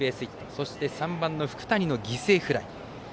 そして３番、福谷の犠牲フライ。